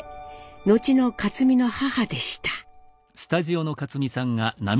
後の克実の母でした。